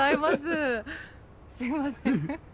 すいません。